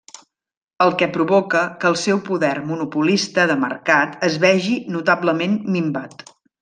El que provoca que el seu poder monopolista de mercat es vegi notablement minvat.